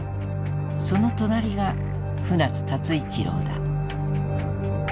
その隣が船津辰一郎だ。